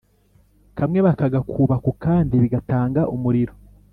kamwe bakagakuba ku kandi bigatanga umuriro